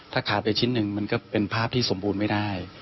ถ้าขาดไปชิ้นหนึ่งมันก็เป็นภาพที่สมบูรณ์ไม่ได้